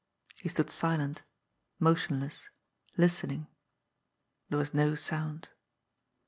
He stood silent, motionless listening. There was no sound.